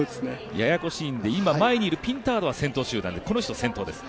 ややこしいんで、前にいるピンタードも先頭集団でこの人、先頭です